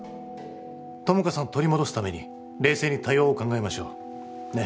友果さんを取り戻すために冷静に対応を考えましょうねえ